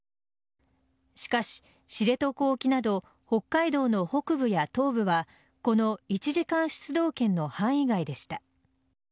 しかし知床沖など北海道の北部や東部はこの１時間出動圏の範囲外でした。